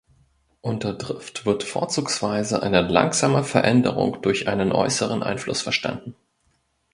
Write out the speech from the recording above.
Unter Drift wird vorzugsweise eine langsame Veränderung durch einen äußeren Einfluss verstanden.